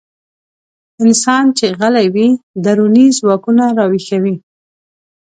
انسان چې غلی وي، دروني ځواکونه راويښوي.